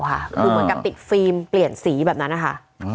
คือเหมือนกับติดฟิล์มเปลี่ยนสีแบบนั้นนะคะ